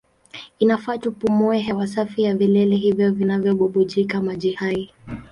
Inafaa tupumue hewa safi ya vilele hivyo vinavyobubujika maji hai.